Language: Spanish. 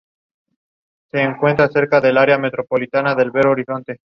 Por lo general se diagnostica por medio de una biopsia intestinal.